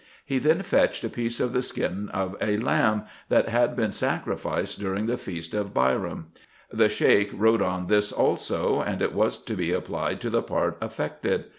He then fetched a piece of the skin of a lamb, that had been sacrificed during the feast of Bairam. The Sheik wrote on tins also, and it was to be applied to the part affected.